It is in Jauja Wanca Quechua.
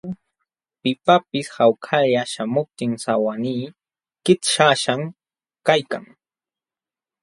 Pipaqpis hawkalla śhamuptin sawannii kićhaśhqam kaykan.